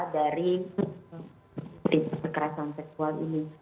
dari kesekerasan seksual ini